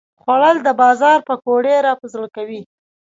خوړل د بازار پکوړې راپه زړه کوي